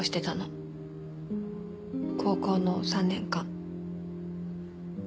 高校の３年間。